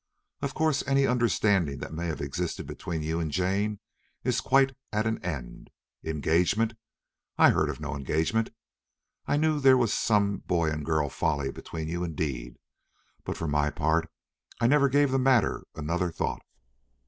Of course any understanding that may have existed between you and Jane is quite at an end. Engagement! I heard of no engagement. I knew that there was some boy and girl folly between you indeed, but for my part I never gave the matter another thought."